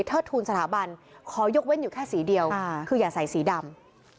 ทูลสถาบันขอยกเว้นอยู่แค่สีเดียวคืออย่าใส่สีดำ